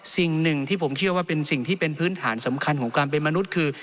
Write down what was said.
สิ่งหนึ่งที่ผมเชื่อว่าเป็นสิ่งที่เป็นพื้นฐานสำคัญของการเป็นมนุษย์คือ